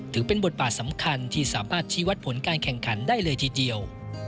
ถือเป็นบทบาทสำคัญที่สามารถชี้วัดผลการแข่งขันได้เลยทีเดียว